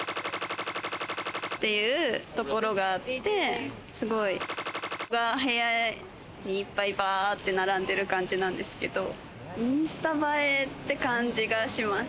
っていうところがあって、すごいが部屋にいっぱいバって並んでる感じなんですけど、インスタ映えって感じがします。